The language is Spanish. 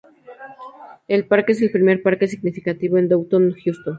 El parque es el primer parque significativo en Downtown Houston.